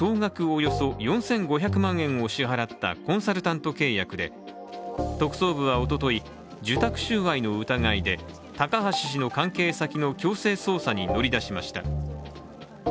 およそ４５００万円を支払ったコンサルタント契約で特捜部はおととい、受託収賄の疑いで高橋氏の関係先の強制捜査に乗り出しました。